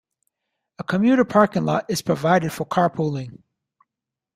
A commuter parking lot is provided for carpooling.